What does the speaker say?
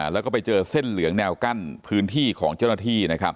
แล้วก็ไปเจอเส้นเหลืองแนวกั้นพื้นที่ของเจ้าหน้าที่